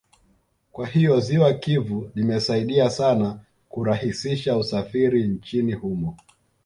Kwa hiyo ziwa Kivu limesaidia sana kurahisisha usafiri nchini humo